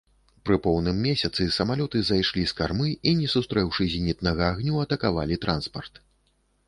Пры поўным месяцы, самалёты зайшлі з кармы і, не сустрэўшы зенітнага агню, атакавалі транспарт.